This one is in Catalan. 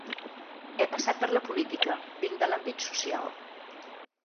He passat per la política, vinc de l’àmbit social.